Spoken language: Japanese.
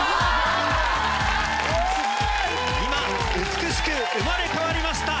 美しく生まれ変わりました